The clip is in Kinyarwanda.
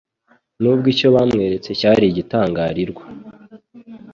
Nubwo icyo bamweretse cyari igitangarirwa,